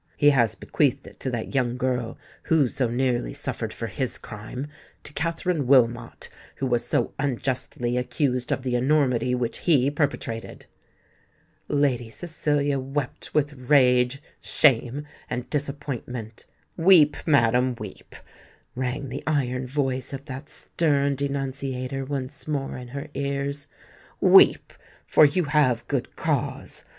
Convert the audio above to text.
He has bequeathed it to that young girl who so nearly suffered for his crime—to Katherine Wilmot, who was so unjustly accused of the enormity which he perpetrated!" Lady Cecilia wept with rage, shame, and disappointment. "Weep, madam, weep," rang the iron voice of that stern denunciator once more in her ears: "weep—for you have good cause!